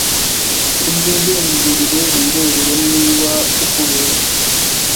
uzigenzurire wirebere niba tukubeshya.